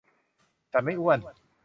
ฉันไม่อ้วน